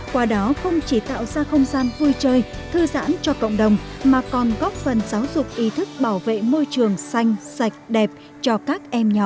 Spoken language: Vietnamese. qua đó không chỉ tạo ra không gian vui chơi thư giãn cho cộng đồng mà còn góp phần giáo dục ý thức bảo vệ môi trường xanh sạch đẹp cho các em nhỏ